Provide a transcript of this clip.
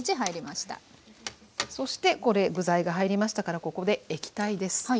そして具材が入りましたからここで液体です。